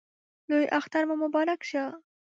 لوی اختر مو مبارک شه!